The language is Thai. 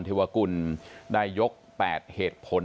ธิววรกุลใดยก๘เหตุผล